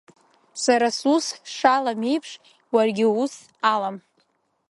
Сара сус шалам еиԥш уаргьы уус алам!